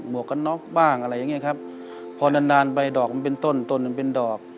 วกกันน็อกบ้างอะไรอย่างเงี้ครับพอนานนานไปดอกมันเป็นต้นต้นมันเป็นดอก